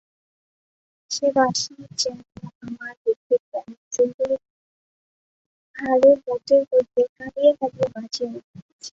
সে বাঁশি যেন আমার বুকের পঞ্জরের হাড়ের মধ্য হইতে কাঁদিয়া কাঁদিয়া বাজিয়া উঠিতেছে।